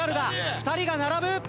２人が並ぶ！